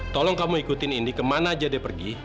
tolong kamu ikutin ini kemana aja dia pergi